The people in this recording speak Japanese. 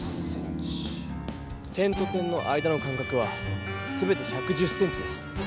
点と点の間の間かくはすべて１１０ｃｍです。